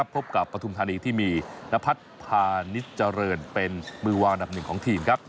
พบกับปฐุมธานีที่มีนพัฒนิจเจริญเป็นมือวางดับหนึ่งของทีม